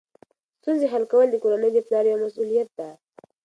ستونزې حل کول د کورنۍ د پلار یوه مسؤلیت ده.